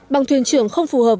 bằng thuyền trưởng không phù hợp